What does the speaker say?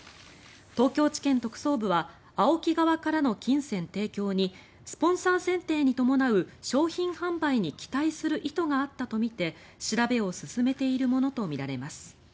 東京地検特捜部はＡＯＫＩ側からの金銭提供にスポンサー選定に伴う商品販売に期待する意図があったとみて調べを進めているものとみられます。